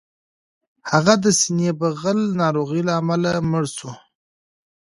هغه د سینې بغل ناروغۍ له امله مړ شو